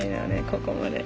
ここまで。